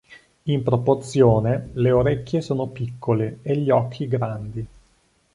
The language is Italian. In proporzione, le orecchie sono piccole e gli occhi grandi.